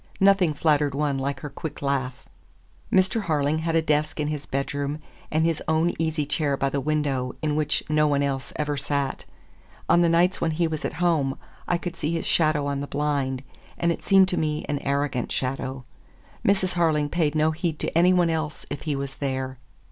Nothing flattered one like her quick laugh. Mr. Harling had a desk in his bedroom, and his own easy chair by the window, in which no one else ever sat. On the nights when he was at home, I could see his shadow on the blind, and it seemed to me an arrogant shadow. Mrs. Harling paid no heed to any one else if he was there.